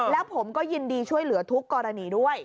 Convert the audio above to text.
แล้วผมก็ยินดีช่วยเหลือทุกกรณีด้วย